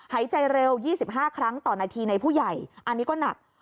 หายใจเร็ว๒๕ครั้งต่อนาทีในผู้ใหญ่อันนี้ก็หนัก